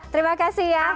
terima kasih ya